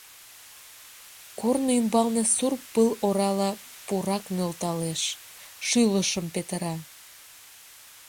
Корно ӱмбалне сур пыл орала пурак нӧлталтеш, шӱлышым петыра.